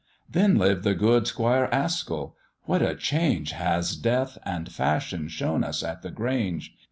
"Then lived the good 'Squire Asgill what a change Has death and fashion shown us at the Grange!